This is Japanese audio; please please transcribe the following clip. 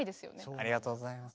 ありがとうございます。